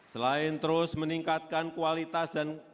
selain terus meningkatkan kualitas dan